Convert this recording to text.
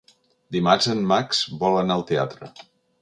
Dimarts en Max vol anar al teatre.